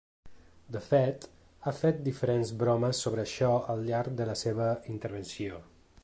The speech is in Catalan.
De fet, ha fet diferents bromes sobre això al llarg de la seva intervenció.